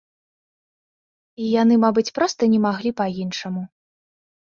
І яны, мабыць, проста не маглі па-іншаму.